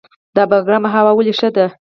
د بګرام هوا ولې ښه ده؟